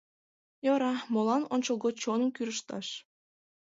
Йӧра, молан ончылгоч чоным кӱрышташ.